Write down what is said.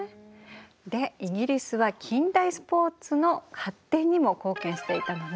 でイギリスは近代スポーツの発展にも貢献していたのね。